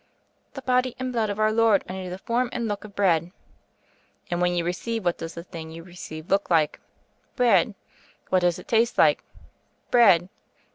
"The body and blood of Our Lord under the form and looks of bread." "And when you receive, what does the thing you receive look like?" "Bread." "What does it taste like?" "Bread."